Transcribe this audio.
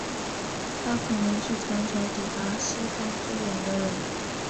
他可能是唐朝抵达西方最远的人。